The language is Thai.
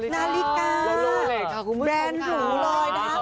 นาฬิกาลูกแบรนด์หรูเลยนะครับ